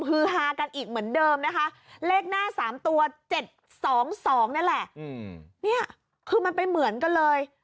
ฮือฮากันอีกเหมือนเดิมนะคะเลขหน้า๓ตัว๗๒๒นี่แหละนี่คือมันไปเหมือนกันเลย